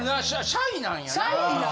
シャイなんやな。